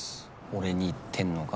俺に言ってんのか？